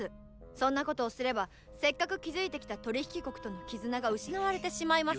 そんなことをすればせっかく築いてきた取り引き国との絆が失われてしまいます。